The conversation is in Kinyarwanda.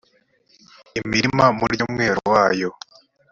imirima murye umwero wayo